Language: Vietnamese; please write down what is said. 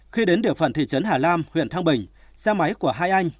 khi đến địa phận thị trấn hà lam huyện thăng bình xe máy của hai anh